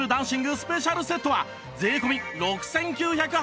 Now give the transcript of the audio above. スペシャルセットは税込６９８０円